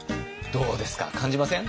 どうですか感じません？